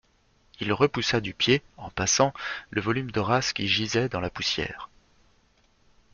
Il repoussa du pied,-en passant, le volume d'Horace qui gisait dans la poussière.